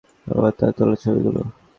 আর, আমার তোলা ছবিগুলো?